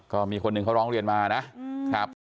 ก็มีคนหนึ่งเขาร้องเรียนมานะครับ